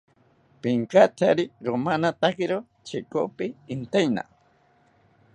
Pinkatsari romanatakiro chekopi intaeni